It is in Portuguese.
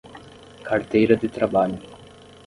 Carteira de trabalho